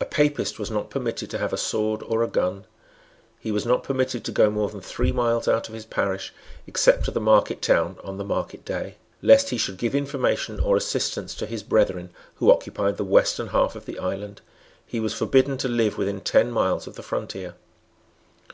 A Papist was not permitted to have a sword or a gun. He was not permitted to go more than three miles out of his parish except to the market town on the market day. Lest he should give information or assistance to his brethren who occupied the western half of the island, he was forbidden to live within ten miles of the frontier.